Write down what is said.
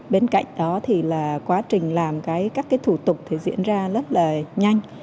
bên cạnh đó thì là quá trình làm các cái thủ tục thì diễn ra rất là nhanh